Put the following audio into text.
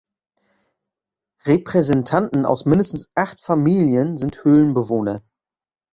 Repräsentanten aus mindestens acht Familien sind Höhlenbewohner.